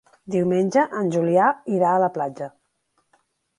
Diumenge en Julià irà a la platja.